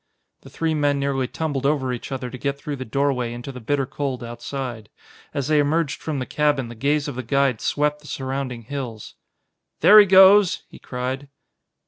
The three men nearly tumbled over each other to get through the doorway into the bitter cold outside. As they emerged from the cabin the gaze of the guide swept the surrounding hills. "There he goes!" he cried.